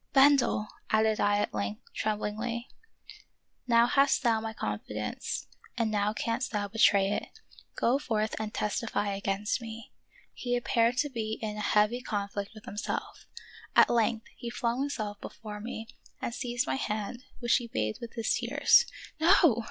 " Bendel," added I at length, tremblingly, " now hast thou my confidence, and now canst thou betray it ; go forth and testify against me." He appeared to be in a heavy conflict with himself; at length he flung himself before me and seized my hand, which he bathed with his tears. "No!"